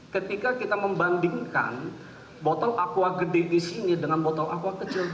ketika kita membandingkan botol aqua gede di sini dengan botol aqua kecil